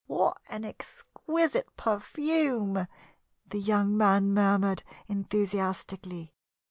"What an exquisite perfume!" the young man murmured, enthusiastically.